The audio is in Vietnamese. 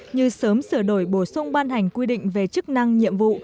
như sớm sửa đổi bổ sung ban hành quy định về chức năng nhiệm vụ